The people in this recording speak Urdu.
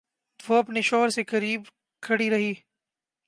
وہ اپنے شوہر سے قریب کھڑی رہی۔